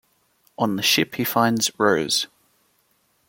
On the ship he finds Rose.